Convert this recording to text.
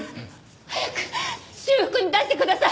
早く修復に出してください！